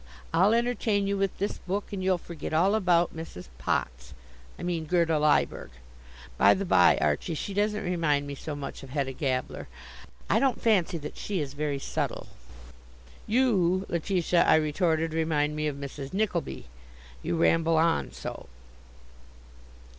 I'll entertain you with this book, and you'll forget all about Mrs. Potz I mean Gerda Lyberg. By the by, Archie, she doesn't remind me so much of Hedda Gabler. I don't fancy that she is very subtile." "You, Letitia," I retorted, "remind me of Mrs. Nickleby. You ramble on so."